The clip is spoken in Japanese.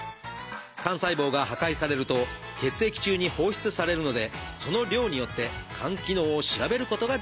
肝細胞が破壊されると血液中に放出されるのでその量によって肝機能を調べることができるんです。